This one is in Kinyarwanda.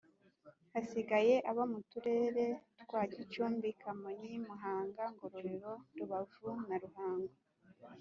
Hasigaye abo mu Turere twa Gicumbi Kamonyi Muhanga Ngororero Rubavu na Ruhango